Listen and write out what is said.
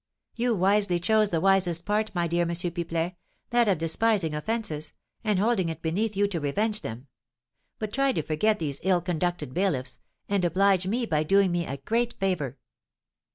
"You wisely chose the wisest part, my dear M. Pipelet, that of despising offences, and holding it beneath you to revenge them; but try to forget these ill conducted bailiffs, and oblige me by doing me a great favour."